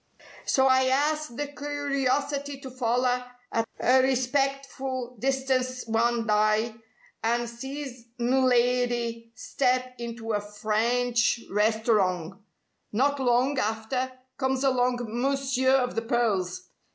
So I 'as the curiosity to foller at a respectful distance one dye, an' sees m' lidy step into a French restorong. Not long after, comes along Mounseer of the pearls.